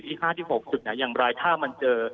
ที่ห้าที่หกสุดเนี่ยอย่างรายท่ามันเจอ